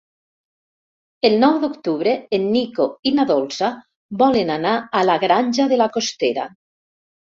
El nou d'octubre en Nico i na Dolça volen anar a la Granja de la Costera.